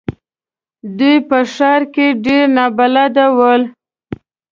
دوی په ښار کې ډېر نابلده ول.